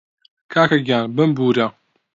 کاکەگیان بمبوورە